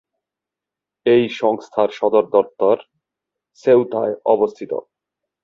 এই সংস্থার সদর দপ্তর সেউতায় অবস্থিত।